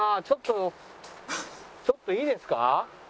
ちょっとちょっといいですか？